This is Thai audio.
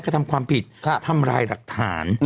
ทำความผิดทำร้ายรักฐาน